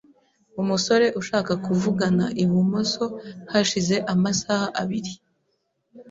Umusore ushaka kuvugana ibumoso hashize amasaha abiri .